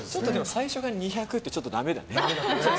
最初が２００ってちょっとダメだね。